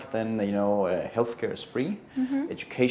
maka anda tahu kesehatan kesehatan adalah bebas